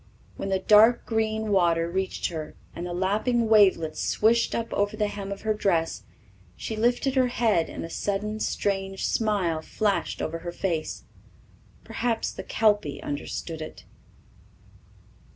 When the dark green water reached her, and the lapping wavelets swished up over the hem of her dress, she lifted her head and a sudden strange smile flashed over her face. Perhaps the kelpy understood it.